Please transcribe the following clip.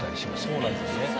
そうなんですよね。